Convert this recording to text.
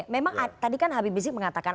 memang tadi kan habib rizik mengatakan